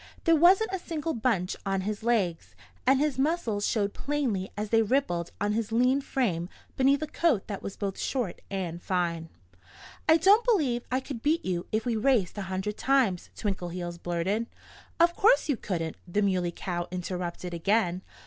There wasn't a single bunch on his legs. And his muscles showed plainly as they rippled on his lean frame beneath a coat that was both short and fine. "I don't believe I could beat you if we raced a hundred times," Twinkleheels blurted. "Of course you couldn't!" the Muley Cow interrupted again.